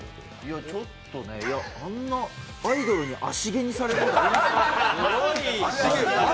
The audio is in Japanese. ちょっとね、あんなアイドルに足蹴にされることあります？